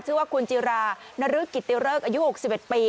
ชื่อว่าคุณจิรานรึกิตติเริกอายุ๖๑ปี